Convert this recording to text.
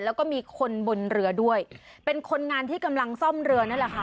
แล้วก็มีคนบนเรือด้วยเป็นคนงานที่กำลังซ่อมเรือนั่นแหละค่ะ